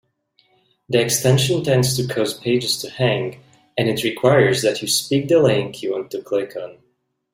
The extension tends to cause pages to hang, and it requires that you speak the link you want to click on.